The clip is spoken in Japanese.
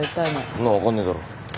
そんなん分かんねえだろ。